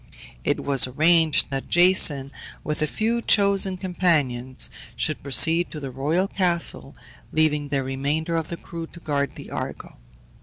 It was arranged that Jason, with a few chosen companions, should proceed to the royal castle, leaving the remainder of the crew to guard the Argo.